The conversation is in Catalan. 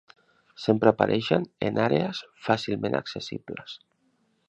Sempre apareixen en àrees fàcilment accessibles.